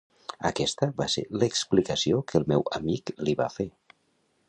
Aquesta va ser l’explicació que el meu amic li va fer.